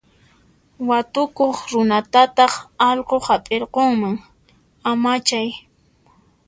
Watukuq runatataq allqu hap'irqunman, amachay.